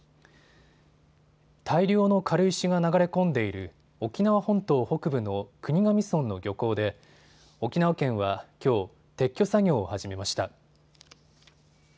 大量の軽石が流れ込んでいる沖縄本島北部の国頭村の漁港で沖縄県はきょう、撤去作業を始めました。